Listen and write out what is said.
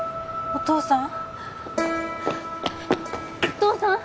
お父さん！